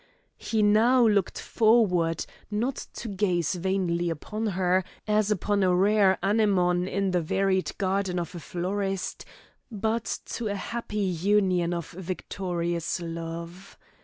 He now looked forward, not to gaze vainly upon her, as upon a rare anemone in the varied garden of a florist, but to a happy union of victorious love.